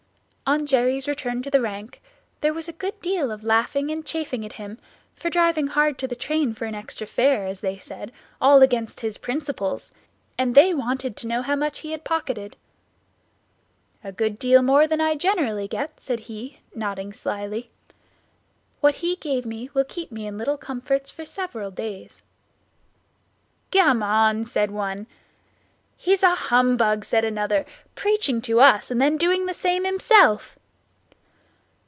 On Jerry's return to the rank there was a good deal of laughing and chaffing at him for driving hard to the train for an extra fare, as they said, all against his principles, and they wanted to know how much he had pocketed. "A good deal more than I generally get," said he, nodding slyly; "what he gave me will keep me in little comforts for several days." "Gammon!" said one. "He's a humbug," said another; "preaching to us and then doing the same himself."